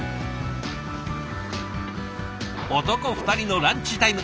男２人のランチタイム。